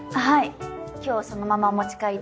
はい